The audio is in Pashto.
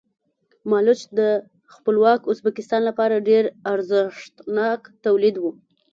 مالوچ د خپلواک ازبکستان لپاره ډېر ارزښتناک تولید و.